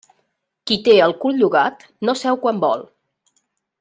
Qui té el cul llogat no seu quan vol.